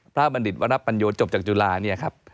บัณฑิตวรปัญโยจบจากจุฬาเนี่ยครับ